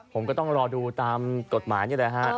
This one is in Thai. ผมก็ต้องรอดูตามกฎหมายนี่แหละฮะ